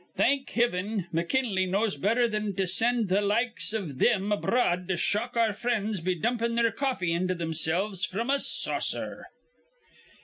Thank Hivin, McKinley knows betther thin to sind th' likes iv thim abroad to shock our frinds be dumpin' their coffee into thimsilves fr'm a saucer.